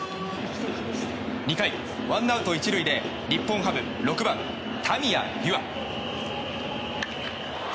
２回、ワンアウト１塁で日本ハム６番、田宮裕涼。